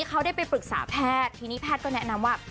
ก็ต้องฝึกศาแพทย์ที่นี่แพทย์ก็แนะนำว่า